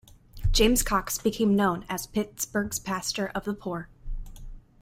James Cox became known as Pittsburgh's "Pastor of the Poor".